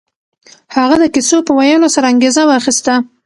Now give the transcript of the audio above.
هغه د کيسو په ويلو سره انګېزه واخيسته.